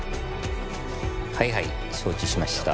はいはい承知しました。